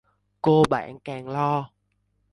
Cô bạn càng lo